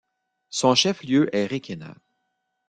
Son chef-lieu est Requena.